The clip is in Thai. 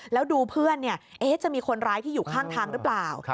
แล้วดูเพื่อนจะมีคนร้ายที่อยู่ข้างทางหรือเปล่า